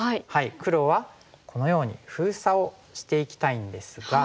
黒はこのように封鎖をしていきたいんですが。